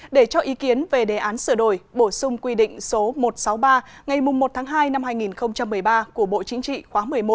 để cho ý kiến về đề án sửa đổi bổ sung quy định số một trăm sáu mươi ba ngày một tháng hai năm hai nghìn một mươi ba của bộ chính trị khóa một mươi một